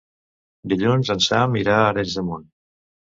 Dilluns en Sam irà a Arenys de Munt.